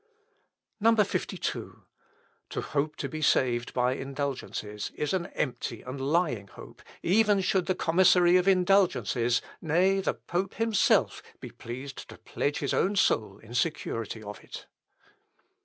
52. "To hope to be saved by indulgences is an empty and lying hope even should the commissary of indulgences, nay, the pope himself, be pleased to pledge his own soul in security of it.